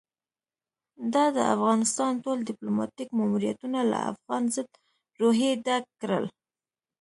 ده د افغانستان ټول ديپلوماتيک ماموريتونه له افغان ضد روحيې ډک کړل.